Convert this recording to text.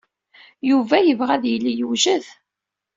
Yuba yebɣa ad yili yewjed.